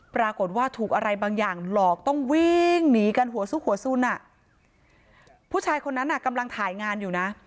ปรากฏว่าถูกอะไรบางอย่างหลอกต้องวิ่งหนีกันหัวซุกหัวสุนอ่ะผู้ชายคนนั้นอ่ะกำลังถ่ายงานอยู่นะ